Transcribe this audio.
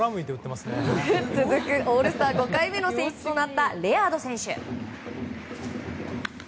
続く、オールスター５回目の選出となったレアード選手。